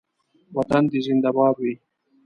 وطن دې زنده باد وي